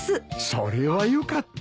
それはよかった。